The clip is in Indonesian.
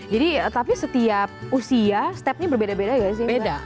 jadi tapi setiap usia stepnya berbeda beda gak sih